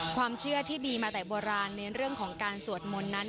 ความเชื่อที่มีมาแต่โบราณในเรื่องของการสวดมนต์นั้น